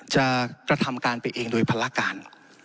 กระทำการไปเองโดยภารการ